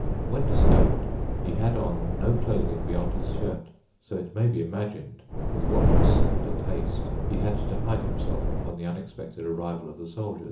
When discovered he had on no clothing beyond his shirt, so it may be imagined with what precipitate haste he had to hide himself upon the unexpected arrival of the soldiers.